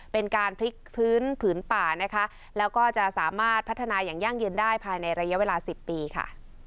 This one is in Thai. เป็นการพลิกพื้นผืนป่านะคะแล้วก็จะสามารถพัฒนาอย่างยั่งยืนได้ภายในระยะเวลา๑๐ปีค่ะ